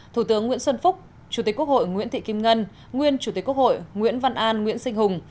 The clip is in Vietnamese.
thủ tướng nguyễn xuân phúc chủ tịch quốc hội nguyễn thị kim ngân nguyên chủ tịch quốc hội nguyễn văn an nguyễn sinh hùng